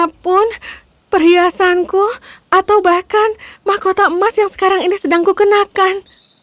apapun perhiasanku atau bahkan mahkota emas yang sekarang ini sedang kukenakan